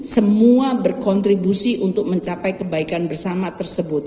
semua berkontribusi untuk mencapai kebaikan bersama tersebut